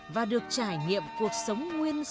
và được trải nghiệm cuộc sống nguyên sinh